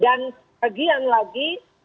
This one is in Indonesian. dan kegian lagi